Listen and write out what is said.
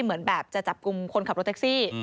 เหมือนแบบจะจับกลุ่มคนขับรถแท็กซี่